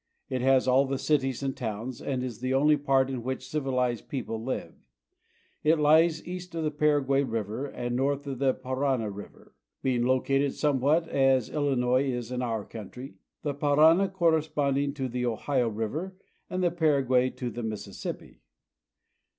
It has all the cities and towns, and is the only part in which civilized people live. It lies east of the Paraguay river and north of the Parana river, being located somewhat as Illinois is in our own country, the Parana corresponding to the Ohio river, and the Paraguay to the Mississippi.